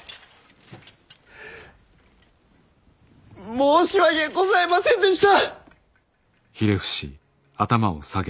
申し訳ございませんでした！